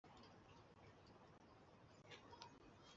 mbega vuba urwego rwanjye, nyagasani,